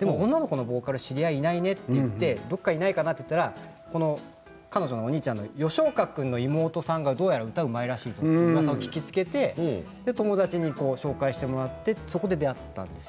でも女の子のボーカル知り合いにいないねといってどこかにないかなと言ったら彼女のお兄ちゃん吉岡君の妹さんがどうやら歌がうまいと聞きつけて友達に紹介してもらってそこで出会ったんです。